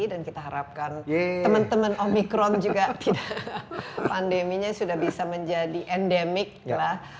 dan kita harapkan teman teman omikron juga tidak pandemi nya sudah bisa menjadi endemic lah